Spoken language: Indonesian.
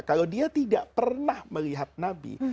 kalau dia tidak pernah melihat nabi